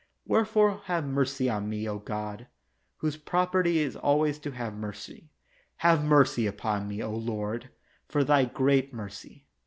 Wherefore have mercy on me, O God, whose property is always to have mercy; have mercy upon me, O Lord, for Thy great mercy.